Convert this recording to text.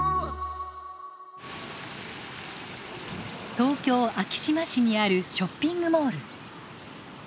東京・昭島市にあるショッピングモール。